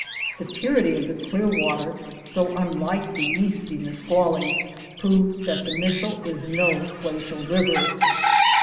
The purity of the clear water, so unlike the yeasty Nis qually, proves that the Mishell is no glacial river.